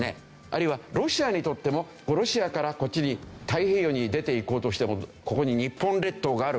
あるいはロシアにとってもロシアからこっちに太平洋に出ていこうとしてもここに日本列島がある。